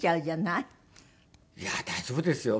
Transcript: いや大丈夫ですよ